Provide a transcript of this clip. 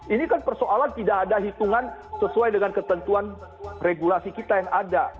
ini kan persoalan tidak ada hitungan sesuai dengan ketentuan regulasi kita yang ada